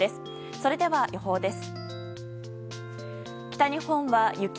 それでは予報です。